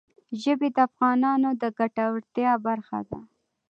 ژبې د افغانانو د ګټورتیا برخه ده.